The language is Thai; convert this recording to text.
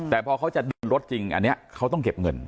แต่พอเขาจะเดินรถจริงอันนี้เขาต้องเก็บเงิน